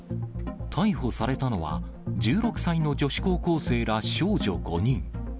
逮捕されたのは、１６歳の女子高校生ら少女５人。